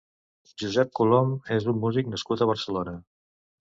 Josep Colom és un músic nascut a Barcelona.